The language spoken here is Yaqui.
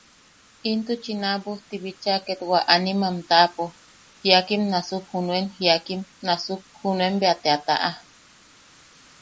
Intuchi naabusti bicha ket wa animam taʼapo jiakim nasuk junuen jiakim nasuk junuen bea te a taʼa.